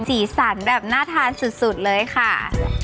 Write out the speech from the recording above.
สีสันแบบน่าทานสุดเลยค่ะ